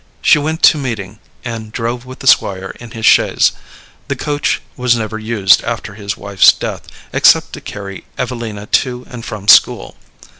She went to meeting, and drove with the Squire in his chaise. The coach was never used after his wife's death, except to carry Evelina to and from school.